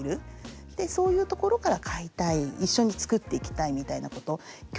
でそういうところから買いたい一緒に作っていきたいみたいなこと。